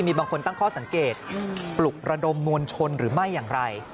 มีบางคนตั้งข้อสังเกตปลุกระดมมวลชนหรือไม่อย่างไร